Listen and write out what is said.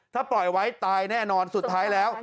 ถ้าปล่อยไว้ตายแน่นอนสุดท้ายแล้ว